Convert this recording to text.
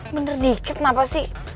bener dikit kenapa sih